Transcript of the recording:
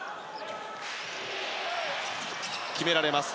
決められます。